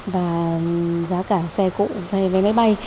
và giá cả xe cụ hay máy bay